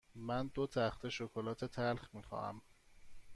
من دو تخته شکلات تلخ می خواهم.